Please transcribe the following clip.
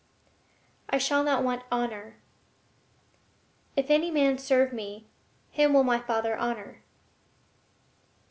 I shall not want honor. "If any man serve me, him will My Father honor."